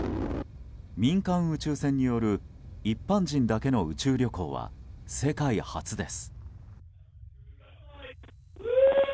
民間宇宙船による一般人だけの宇宙旅行は、世界初です。